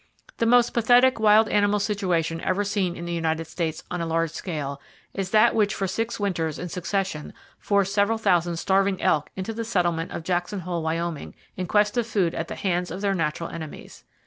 The most pathetic wild animal situation ever seen in the United States on a large scale is that which for six winters in succession forced several thousand starving elk into the settlement of Jackson Hole, Wyoming, in quest of food at the hands of their natural enemies.